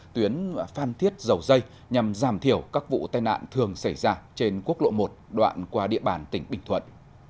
tuyến phan thiết dầu dây nhằm giảm thiểu các vụ tai nạn thường xảy ra trên quốc lộ một đoạn qua địa bàn tỉnh bình thuận